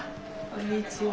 こんにちは。